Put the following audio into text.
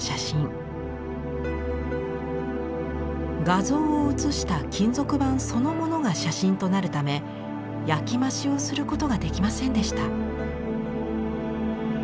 画像を写した金属板そのものが写真となるため焼き増しをすることができませんでした。